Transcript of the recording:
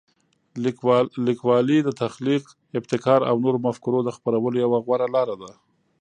لیکوالی د تخلیق، ابتکار او نوو مفکورو د خپرولو یوه غوره لاره ده.